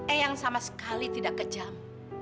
eyang sama sekali tidak kejam